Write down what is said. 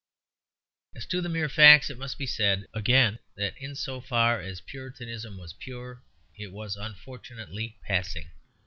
As to the mere facts, it must be said again that in so far as Puritanism was pure, it was unfortunately passing.